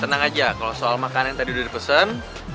tenang aja kalau soal makanan yang tadi udah dipesan